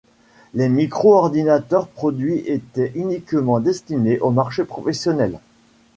Les micro-ordinateurs produits étaient uniquement destinés au marché professionnel.